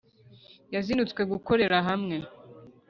Yazinutswe gukorera hamwe.